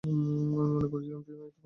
আমি মনে করিয়াছিলাম, তুমি এতক্ষণে শুইয়াছ।